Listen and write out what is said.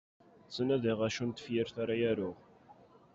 Ttnadiɣ acu n tefyirt ara aruɣ.